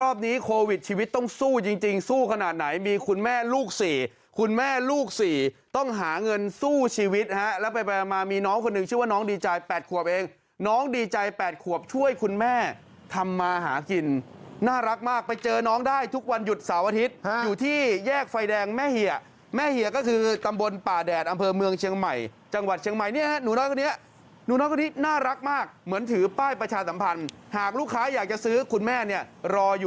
รอบนี้โควิดชีวิตต้องสู้จริงจริงสู้ขนาดไหนมีคุณแม่ลูกสี่คุณแม่ลูกสี่ต้องหาเงินสู้ชีวิตแล้วไปมามีน้องคนนึงชื่อน้องดีใจแปดขวบเองน้องดีใจแปดขวบช่วยคุณแม่ทำมาหากินน่ารักมากไปเจอน้องได้ทุกวันหยุดเสาร์อาทิตย์อยู่ที่แยกไฟแดงแม่เหี่ยแม่เหี่ยก็คือตำบลป่าแดดอำเภอเมืองเชีย